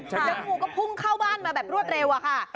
แล้วงูก็พุ่งเข้าบ้านมาแบบรวดเร็วอะค่ะ